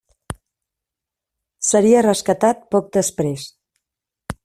Seria rescatat poc després.